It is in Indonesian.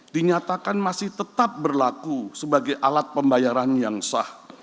dinyatakan masih tetap berlaku sebagai alat pembayaran yang sah